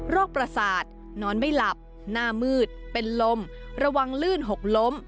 ประสาทนอนไม่หลับหน้ามืดเป็นลมระวังลื่นหกล้ม